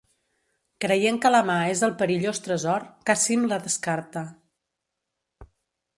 Creient que la mà és el perillós tresor, Cassim la descarta.